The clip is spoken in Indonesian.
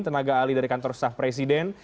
tenaga ahli dari kantor staf presiden